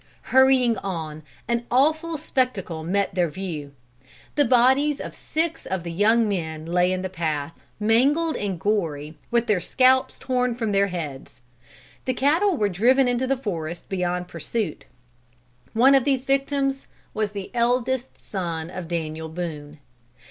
Hurrying on, an awful spectacle met their view. The bodies of six of the young men lay in the path, mangled and gory, with their scalps torn from their heads: the cattle were driven into the forest beyond pursuit. One of these victims was the eldest son of Daniel Boone.